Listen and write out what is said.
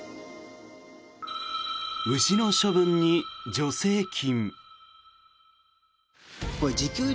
牛の処分に助成金。